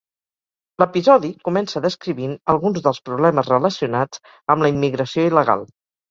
L'episodi comença descrivint alguns dels problemes relacionats amb la immigració il·legal.